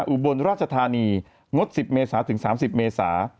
อุบลราชธานีงด๑๐เมษาถึง๓๐เมษา